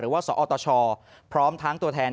ว่าสอตชพร้อมทั้งตัวแทน